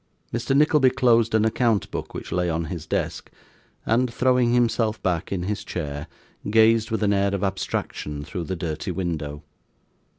Mr. Nickleby closed an account book which lay on his desk, and, throwing himself back in his chair, gazed with an air of abstraction through the dirty window.